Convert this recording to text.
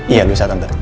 iya lusa tante